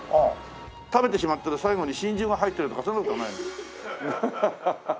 食べてしまったら最後に真珠が入ってるとかそういう事はないんですか？